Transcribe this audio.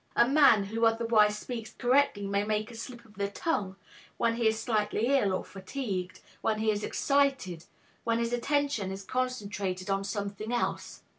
A man who otherwise speaks correctly may make a slip of the tongue when he is slightly ill or fatigued; when he is excited; when his attention is concentrated on something else.